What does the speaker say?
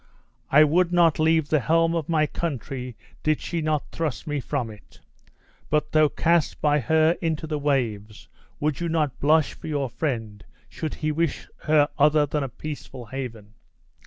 I would not leave the helm of my country did she not thrust me from it; but though cast by her into the waves, would you not blush for your friend should he wish her other than a peaceful haven?"